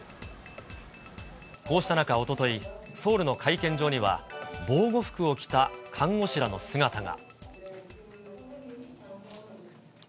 こうした中、おととい、ソウルの会見場には、防護服を着た看護師らの姿が。